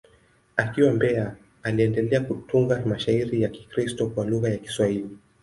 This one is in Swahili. Akiwa Mbeya, aliendelea kutunga mashairi ya Kikristo kwa lugha ya Kiswahili.